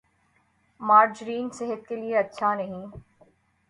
margarine صحت کے لئے اچھا نہیں ہے